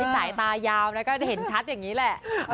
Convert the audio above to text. สายตายาวแล้วก็เห็นชัดอย่างนี้แหละ